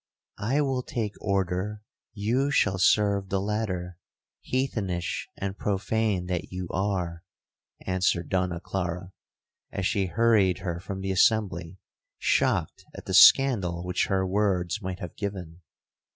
'—'I will take order you shall serve the latter, heathenish and profane that you are!' answered Donna Clara, as she hurried her from the assembly, shocked at the scandal which her words might have given.